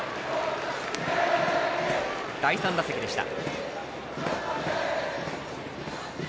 第３打席でした。